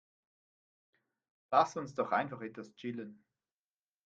Lass uns doch einfach etwas chillen.